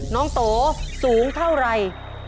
น้องโตสูงเท่าไร